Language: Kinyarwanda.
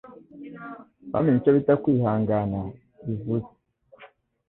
bamenye icyo bita kwihangana bivuze